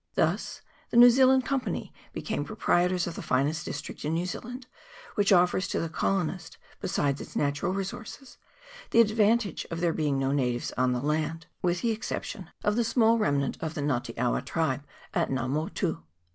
Thus the New Zealand Company became proprietors of the finest district in New Zealand, which offers to the colonist, besides its natural resources, the advantage of there being no natives on the land, with the exception of the small rem nant of the Nga te awa tribe at Nga Motu.